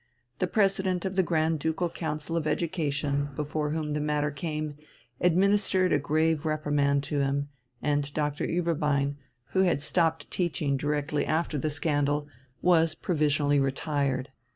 The President of the Grand Ducal Council of Education, before whom the matter came, administered a grave reprimand to him, and Doctor Ueberbein, who had stopped teaching directly after the scandal, was provisionally retired.